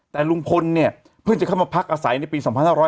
แต่ลุงพลเนี่ยเพิ่งจะเข้ามาพักอาศัยในปี๒๕๖๐